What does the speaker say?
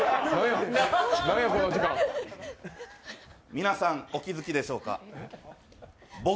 皆さん、お気づきでしょうか。